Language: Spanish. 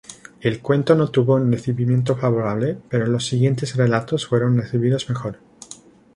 El cuento no tuvo un recibimiento favorable, pero los siguientes relatos fueron recibidos mejor.